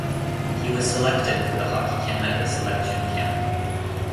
He was selected for the Hockey Canada selection camp.